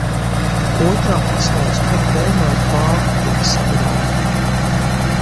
Otrā pasaules kara beigās bāka tika sagrauta.